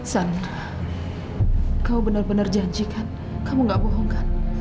san kamu benar benar janjikan kamu nggak bohong kan